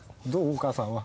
お母さんは。